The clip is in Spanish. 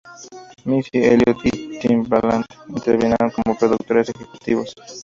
Missy Elliott y Timbaland intervinieron como productores ejecutivos.